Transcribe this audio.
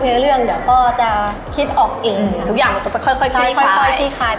เดี๋ยวก็จะคิดออกเองทุกอย่างก็จะค่อยทิ้งคลาย